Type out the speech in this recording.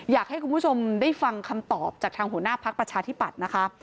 อยากให้คุณผู้ชมได้ฟังคำตอบจากทางหัวหน้าพักประชาธิปัตย์นะคะ